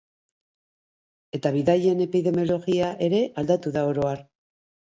Eta bidaien epidemiologia ere aldatu da oro har.